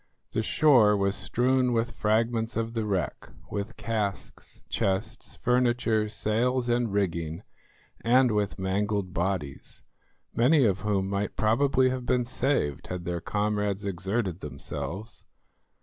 The shore was strewn with fragments of the wreck, with casks, chests, furniture, sails and rigging, and with mangled bodies, many of whom might probably have been saved had their comrades exerted themselves.